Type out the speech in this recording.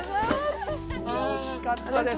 惜しかったです。